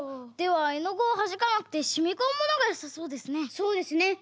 ではえのぐをはじかなくてしみこむものがよさそうですね。